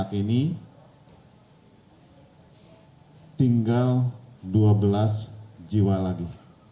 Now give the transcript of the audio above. saat ini tinggal dua belas jiwa lagi